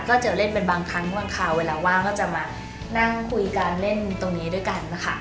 ก็เจอเล่นเป็นบางครั้งบางคราวเวลาว่างก็จะมานั่งคุยกันเล่นตรงนี้ด้วยกันนะคะ